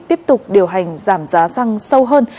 tiếp tục điều hành giảm giá xăng sâu hơn